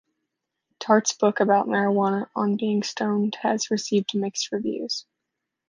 Tart's book about marijuana "On Being Stoned" has received mixed reviews.